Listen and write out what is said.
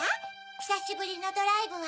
ひさしぶりのドライブは。